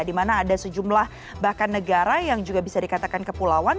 di mana ada sejumlah bahkan negara yang juga bisa dikatakan kepulauan